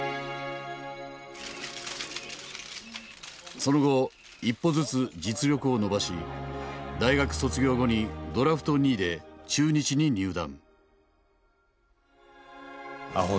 その後一歩ずつ実力を伸ばし大学卒業後にドラフト２位で中日に入団。